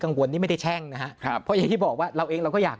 กังวลนี่ไม่ได้แช่งนะฮะพออย่างที่บอกว่าเราเองเราก็อยาก